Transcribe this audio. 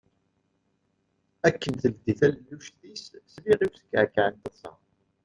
Akken teldi talelluct-is, sliɣ i uskeεkeε n teṭsa.